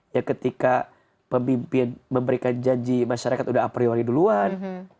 ya ketika pemimpin memberikan janji masyarakat sudah a priori duluan